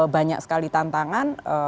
banyak sekali tantangan